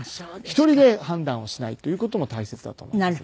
１人で判断をしないという事も大切だと思いますね。